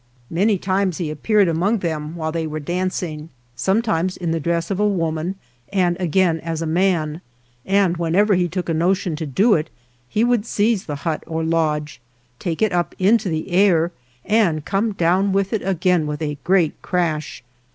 Many times he appeared among them while they were dancing, sometimes in the dress of a woman and again as a man, and whenever he took a notion to do it he would seize the hut or lodge, take it up into the air and come down with it again with a great crash.